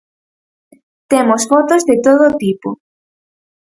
Temos fotos de todo tipo.